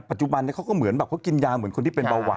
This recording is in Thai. ปัจจุบันนี้เขาก็เหมือนแบบเขากินยาเหมือนคนที่เป็นเบาหวาน